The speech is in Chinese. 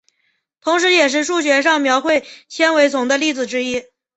同时也是数学上描绘纤维丛的例子之一。